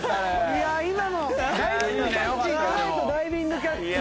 いや今のダイビングキャッチ行かないとダイビングキャッチ。